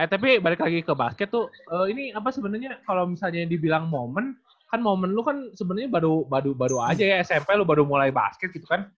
tapi balik lagi ke basket tuh ini apa sebenarnya kalau misalnya dibilang momen kan momen lu kan sebenarnya baru baru aja ya smp lo baru mulai basket gitu kan